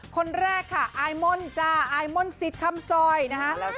คนแรกค่ะอายม่อนจ้าอายม่อนสิทธิ์คำซอยนะฮะ